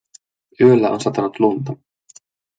Yöllä on satanut lunta